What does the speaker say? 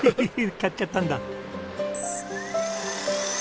買っちゃったんだ。